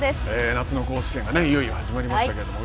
夏の甲子園がいよいよ始まりましたけれども。